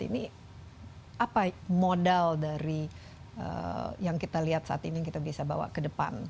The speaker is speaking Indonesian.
ini apa modal dari yang kita lihat saat ini yang kita bisa bawa ke depan